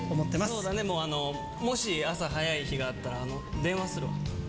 もうね、もし朝早い日があったら、電話する。